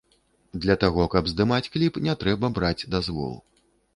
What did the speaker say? Для таго, каб здымаць кліп, не трэба браць дазвол.